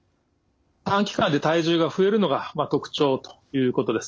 短期間で体重が増えるのが特徴ということです。